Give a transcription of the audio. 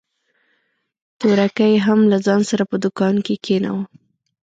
تورکى يې هم له ځان سره په دوکان کښې کښېناوه.